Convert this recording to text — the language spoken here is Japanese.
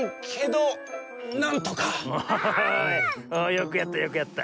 よくやったよくやった。